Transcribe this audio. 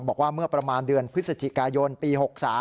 บอกว่าเมื่อประมาณเดือนพฤศจิกายนปี๖๓